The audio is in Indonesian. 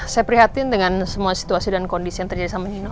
saya prihatin dengan semua situasi dan kondisi yang terjadi sama nino